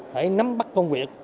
phải nắm bắt công việc